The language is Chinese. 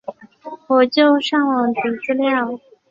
我就上网读资料